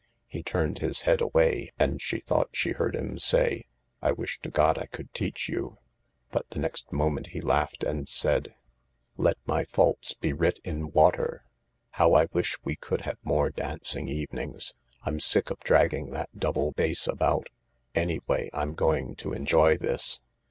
He turned his head away, and she thought she heard him say :" I wish to God I could teach you," but the next moment he laughed and said :" Let my faults be writ in water 1 How I wish we could have more dance evenings 1 I'm sick of dragging that double bass about. Anyway, I'm going to enjoy this.